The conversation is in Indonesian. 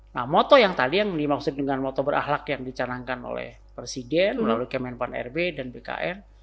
nah moto yang tadi yang dimaksud dengan moto berahlak yang dicanangkan oleh presiden melalui kemenpan rb dan bkn